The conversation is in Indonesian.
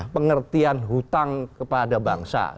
pengertian hutang kepada bangsa